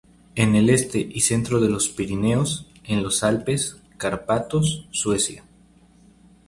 En el este y centro de los Pirineos, en los Alpes, Cárpatos; Suecia.